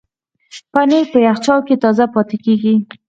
پنېر په یخچال کې تازه پاتې کېږي.